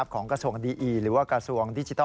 ของกระทรวงดีอีหรือว่ากระทรวงดิจิทัล